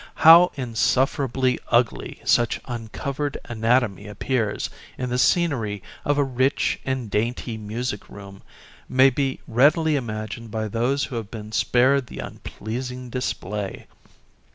How insufferably ugly such uncovered anatomy appears in the scenery of a rich and dainty music room may be readily imagined by those who have been spared the unpleasing display.